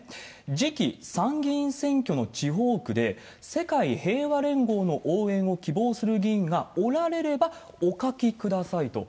次期参議院選挙の地方区で、世界平和連合の応援を希望する議員がおられればお書きくださいと。